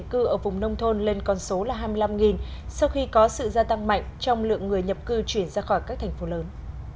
trung cư ở vùng nông thôn lên con số là hai mươi năm sau khi có sự gia tăng mạnh trong lượng người nhập cư chuyển ra khỏi các thành phố lớn